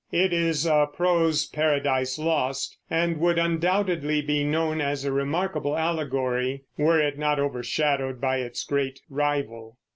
It is a prose Paradise Lost, and would undoubtedly be known as a remarkable allegory were it not overshadowed by its great rival.